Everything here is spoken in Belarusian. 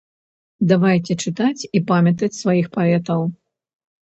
Давайце чытаць і памятаць сваіх паэтаў.